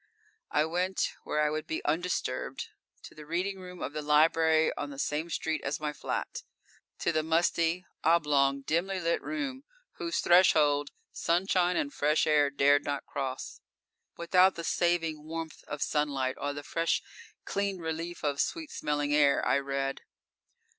I went where I would be undisturbed, to the reading room of the library on the same street as my flat. To the musty, oblong, dimly lit room whose threshold sunshine and fresh air dared not cross. Without the saving warmth of sunlight or the fresh, clean relief of sweet smelling air, I read.